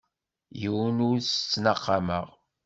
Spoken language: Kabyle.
Yiwen ur t-ttnaqameɣ.